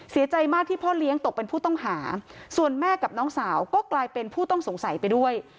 เสียใจมากที่พ่อเลี้ยงตกเป็นผู้ต้องหาส่วนแม่กับน้องสาวก็กลายเป็นผู้ต้องสงสัยไปด้วย